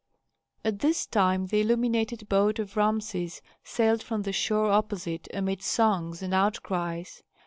" Authentic. At this time the illuminated boat of Rameses sailed from the shore opposite amid songs and outcries.